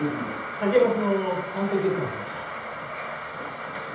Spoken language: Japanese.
酒粕の鑑定結果が出ました。